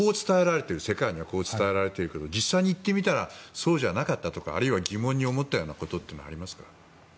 世界ではこう伝えられているけど実際に行ってみたらそうじゃなかったとかあるいは疑問に思ったことはありますか？